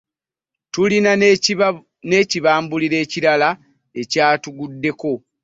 Tulina n'ekibambulira ekirala ekyatuguddeko.